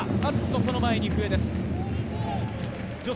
その前に笛です。